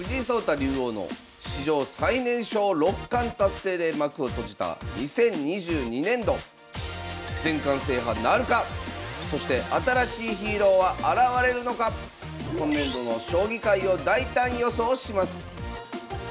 竜王の史上最年少六冠達成で幕を閉じた２０２２年度そして新しいヒーローは現れるのか⁉今年度の将棋界を大胆予想します